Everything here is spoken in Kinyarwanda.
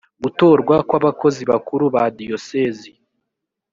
gutorwa kw abakozi bakuru ba diyosezi